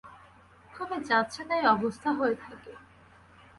খুবই যাচ্ছেতাই অবস্থা হয়ে থাকে।